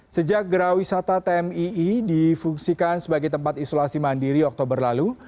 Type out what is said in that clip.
sejak gerah wisata tmii difungsikan sebagai tempat isolasi mandiri oktober lalu